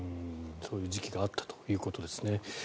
そういう時期があったということですね。